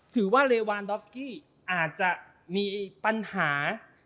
หรือว่าเลวานดอฟสกี้อาจจะมีปัญหา